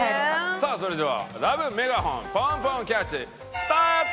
さあそれではＬＯＶＥメガホンポンポンキャッチスタート！